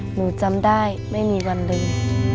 หนูจำได้ไม่มีวันหนึ่ง